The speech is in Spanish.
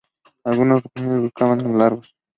Algunos rompehielos surcan los lagos.